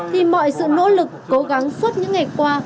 thì mọi sự nỗ lực cố gắng suốt những ngày qua